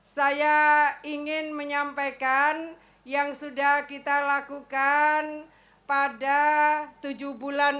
saya ingin menyampaikan yang sudah kita lakukan pada tujuh bulan